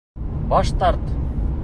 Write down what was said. Баш тарт!